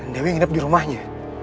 dewi nginep dirumahnya